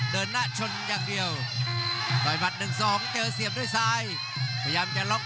เพชรเจ้าโสยัดด้วยเขา